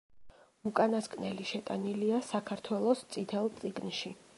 უკანასკნელი შეტანილია საქართველოს „წითელ წიგნში“.